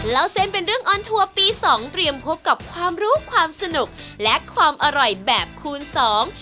เล่าเส้นเป็นเรื่องออนทัวร์ปีสองเตรียมพบกับความรู้ความสนุกและความอร่อยแบบคูณสอง